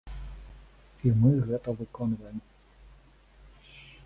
І мы гэта выконваем!